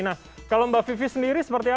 nah kalau mbak vivi sendiri seperti apa